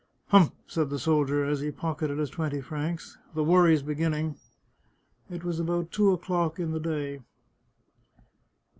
" Humph !" said the soldier, as he pocketed his twenty francs, " the worry's beginning." It was about two o'clock in the day.